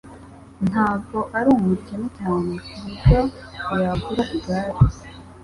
Ntabwo ari umukene cyane kuburyo yagura igare.